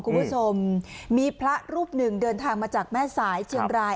คุณผู้ชมมีพระรูปหนึ่งเดินทางมาจากแม่สายเชียงราย